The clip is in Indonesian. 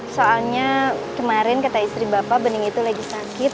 soalnya kemarin kata istri bapak bening itu lagi sakit